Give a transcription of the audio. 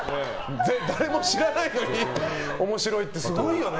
誰も知らないのに面白いってすごいよね。